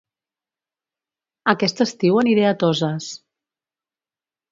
Aquest estiu aniré a Toses